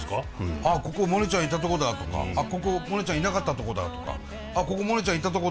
ああここモネちゃんいたとこだとかここモネちゃんいなかったとこだとか。